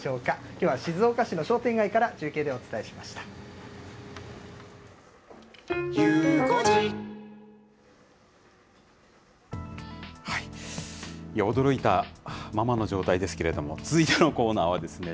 きょうは静岡市の商店街から中継驚いたままの状態ですけれども、続いてのコーナーはですね、